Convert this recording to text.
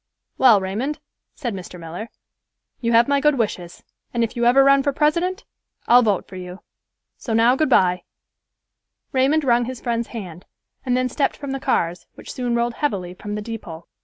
"Well, Raymond," said Mr. Miller, "you have my good wishes, and if you ever run for President, I'll vote for you. So now good by." Raymond rung his friend's hand, and then stepped from the cars, which soon rolled heavily from the depot.